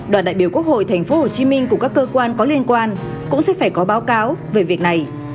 đoàn đại biểu quốc hội thành phố hồ chí minh cùng các cơ quan có liên quan cũng sẽ phải có báo cáo về việc này